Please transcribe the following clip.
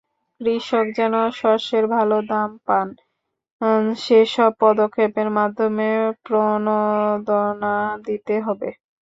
কৃষক যেন শস্যের ভালো দাম পান, সেসব পদক্ষেপের মাধ্যমে প্রণোদনা দিতে হবে।